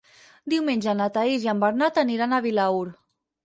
Diumenge na Thaís i en Bernat aniran a Vilaür.